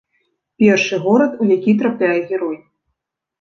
Першы горад, у які трапляе герой.